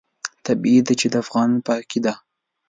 طبیعي ده چې د افغاني په عقیده.